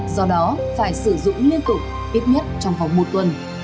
do đó phải sử dụng liên tục ít nhất trong vòng một tuần